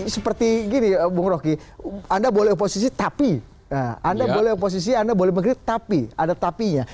seperti gini bung roky anda boleh oposisi tapi anda boleh oposisi anda boleh mengkritik tapi ada tapinya